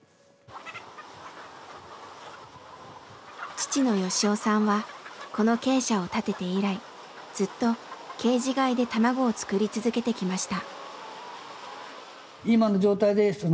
父の吉雄さんはこの鶏舎を建てて以来ずっとケージ飼いで卵を作り続けてきました。